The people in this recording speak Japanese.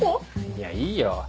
いやいいよ。